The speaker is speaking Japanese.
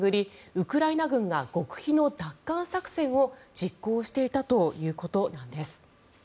ウクライナ軍が極秘の奪還作戦を実行していたということなんです。